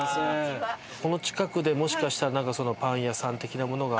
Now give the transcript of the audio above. この近くでもしかしたらパン屋さん的なものが。